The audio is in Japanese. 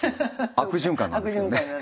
悪循環なんですよね。